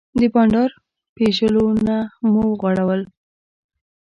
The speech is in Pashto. د بانډار پیژلونه مو وغوړول.